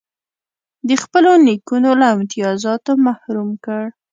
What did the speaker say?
د خپلو نیکونو له امتیازاتو محروم کړ.